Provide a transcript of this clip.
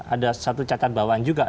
ada satu cacat bawaan juga